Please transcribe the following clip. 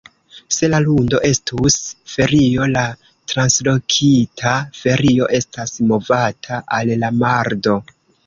Se la lundo estus ferio, la translokita ferio estas movata al la mardo.